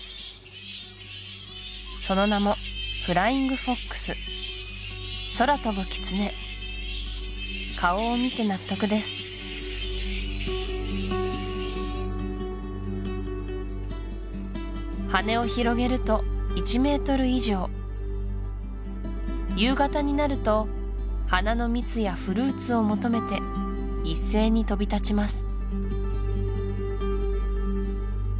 その名も空飛ぶキツネ顔を見て納得です羽を広げると１ｍ以上夕方になると花の蜜やフルーツを求めて一斉に飛び立ちます